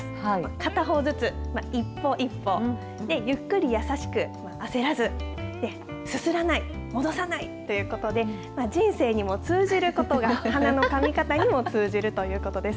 片方ずつ一歩一歩、ゆっくり優しく、焦らず、すすらない、戻さないということで、人生にも通じることが、鼻のかみ方にも通じるということです。